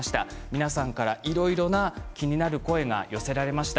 皆さんから、いろいろな気になる声が寄せられました。